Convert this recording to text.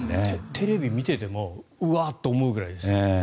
テレビを見ていてもうわっ！と思うぐらいです。